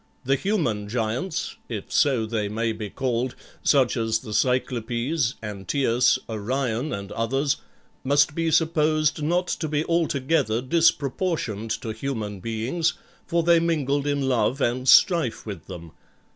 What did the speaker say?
The human giants, if so they may be called, such as the Cyclopes, Antaeus, Orion, and others, must be supposed not to be altogether disproportioned to human beings, for they mingled in love and strife with them.